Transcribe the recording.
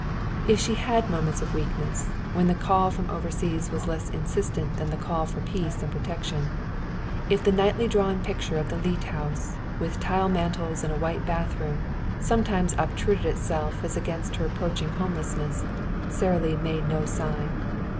If she had moments of weakness, when the call from overseas was less insistent than the call for peace and protection if the nightly drawn picture of the Leete house, with tile mantels and a white bathroom, sometimes obtruded itself as against her approaching homelessness, Sara Lee made no sign.